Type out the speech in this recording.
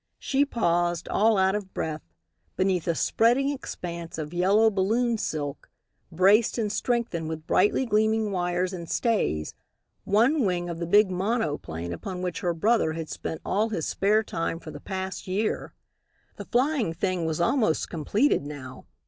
She paused, all out of breath, beneath a spreading expanse of yellow balloon silk, braced and strengthened with brightly gleaming wires and stays, one wing of the big monoplane upon which her brother had spent all his spare time for the past year. The flying thing was almost completed now.